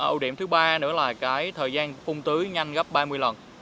ưu điểm thứ ba nữa là thời gian phung tưới nhanh gấp ba mươi lần